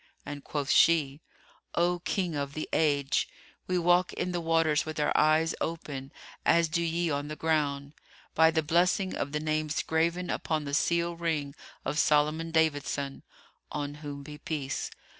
and quoth she, "O King of the Age, we walk in the waters with our eyes open, as do ye on the ground, by the blessing of the names graven upon the seal ring of Solomon David son (on whom be peace!).